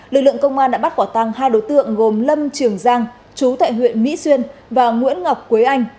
lực lượng công an đã bắt quả tăng hai đối tượng gồm lâm trường giang chú tại huyện mỹ xuyên và nguyễn ngọc quế anh